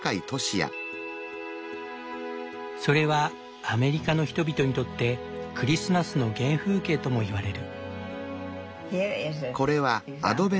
それはアメリカの人々にとってクリスマスの原風景ともいわれる。